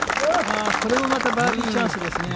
これもまた、バーディーチャンスですね。